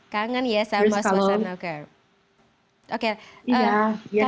kangen ya sama suasana